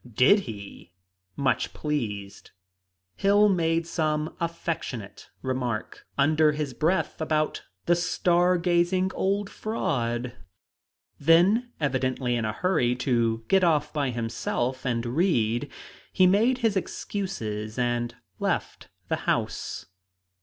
"Did he?" much pleased. Hill made some affectionate remark, under his breath about "the star gazing old fraud"; then, evidently in a hurry to get off by himself and read, he made his excuses and left the house.